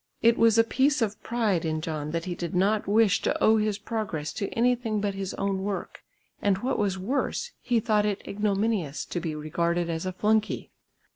It was a piece of pride in John that he did not wish to owe his progress to anything but his own work, and what was worse, he thought it ignominious to be regarded as a flunkey.